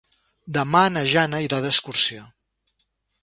Demà na Jana irà d'excursió.